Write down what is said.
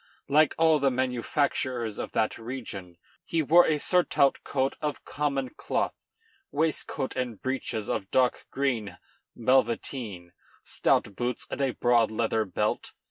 Like all the manufacturers of that region, he wore a surtout coat of common cloth, waistcoat and breeches of dark green velveteen, stout boots, and a broad leather belt.